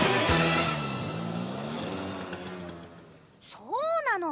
そうなの！